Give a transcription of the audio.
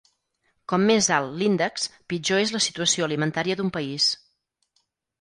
Com més alt l'índex, pitjor és la situació alimentària d'un país.